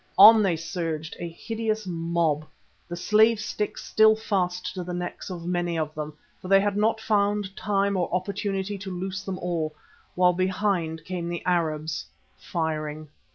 On they surged, a hideous mob, the slave sticks still fast to the necks of many of them, for they had not found time or opportunity to loose them all, while behind came the Arabs firing.